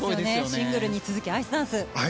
シングルに続き、アイスダンス。